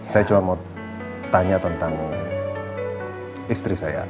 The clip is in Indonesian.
saya cuma mau tanya tentang istri saya